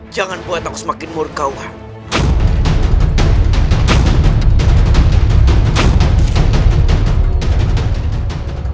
jangan buat aku semakin murka uang